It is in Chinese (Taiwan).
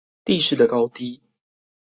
地勢的高低